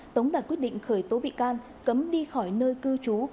tống đạt quyết định khởi tố bị can cấm đi khỏi nơi cư trú